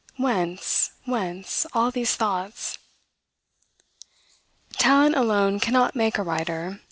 Whence, whence, all these thoughts? Talent alone cannot make a writer.